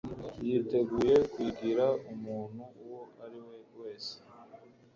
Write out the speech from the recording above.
Yiteguye kwigira umuntu uwo ari we wese